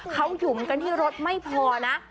เขาหยุมกันที่รถไม่พอนะ